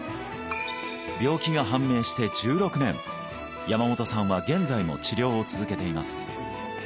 病気が判明して１６年山本さんは現在も治療を続けています